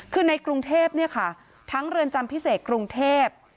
คือในกรุงเทพทั้งเรียนจำพิเศษกรุงเทพ